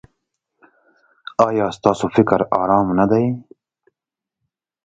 ایا ستاسو فکر ارام نه دی؟